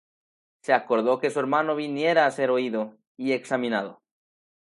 Se acordó que su hermano viniera a ser oído y examinado.